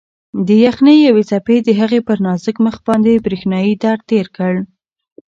د یخنۍ یوې څپې د هغې پر نازک مخ باندې برېښنايي درد تېر کړ.